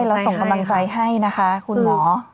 เราส่งกำลังใจให้นะคะคุณหมอ